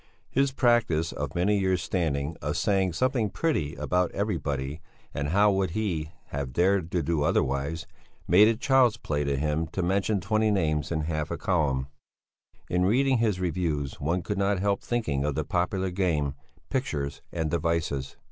His practice, of many years' standing, of saying something pretty about everybody and how would he have dared to do otherwise made it child's play to him to mention twenty names in half a column; in reading his reviews one could not help thinking of the popular game "pictures and devices."